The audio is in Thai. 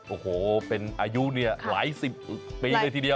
โอ้โหเป็นอายุเนี่ยหลายสิบปีเลยทีเดียว